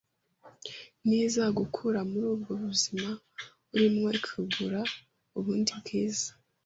niyo izagukura muri ubwo buzima urimo ikaguha ubundi bwiza.